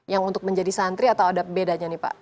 yang untuk menjadi santri atau ada bedanya nih pak